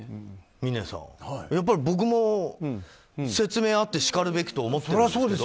峰さん、僕も説明があってしかるべきと思ってるんですけど。